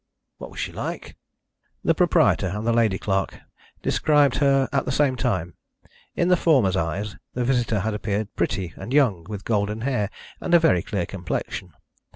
"What was she like?" The proprietor and the lady clerk described her at the same time. In the former's eyes the visitor had appeared pretty and young with golden hair and a very clear complexion.